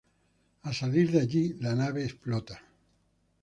Al salir de allí, la nave explota.